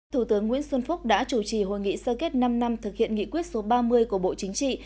thủ tướng nguyễn xuân phúc đã chủ trì hội nghị sơ kết năm năm thực hiện nghị quyết số ba mươi của bộ chính trị